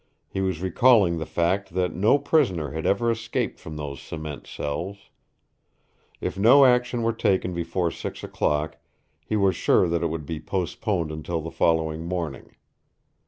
He was recalling the fact that no prisoner had ever escaped from those cement cells. If no action were taken before six o'clock, he was sure that it would be postponed until the following morning.